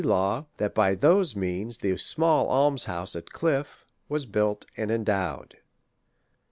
Law, that by those means the small alms house at Cliffe was built and endowed.